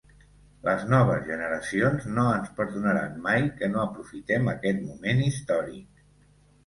Les noves generacions no ens perdonaran mai que no aprofitem aquest moment històric.